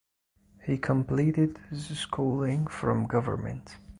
He completed his schooling from Govt.